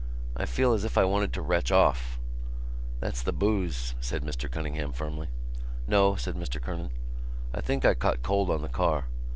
I feel as if I wanted to retch off." "That's the boose," said Mr Cunningham firmly. "No," said Mr Kernan. "I think I caught a cold on the car.